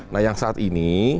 nah yang saat ini